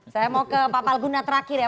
saya mau ke pak palguna terakhir ya